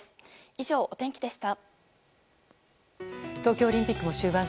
以上、お天気でした。